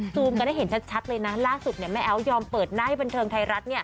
กันให้เห็นชัดเลยนะล่าสุดแม่แอ๊วยอมเปิดหน้าให้บันเทิงไทยรัฐ